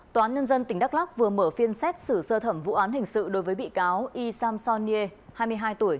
tòa án nhân dân tỉnh đắk lóc vừa mở phiên xét xử sơ thẩm vụ án hình sự đối với bị cáo y samson niê hai mươi hai tuổi